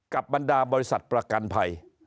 บรรดาบริษัทประกันภัย